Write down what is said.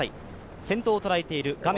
先頭を捉えている画面